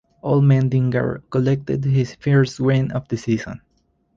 Allmendinger collected his first win of the season.